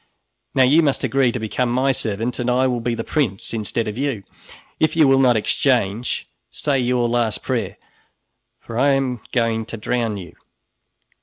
Now you must agree to become my servant, and I will be the prince instead of you. If you will not exchange, say your last prayer, for I am going to drown you."